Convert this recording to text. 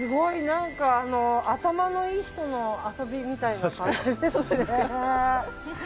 何か、頭のいい人の遊びみたいな感じですね。